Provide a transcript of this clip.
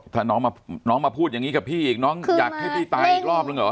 ถ้าน้องมาพูดอย่างนี้กับพี่อีกน้องอยากให้พี่ตายอีกรอบนึงเหรอ